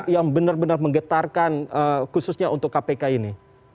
yang benar benar menggetarkan khususnya untuk kpk ini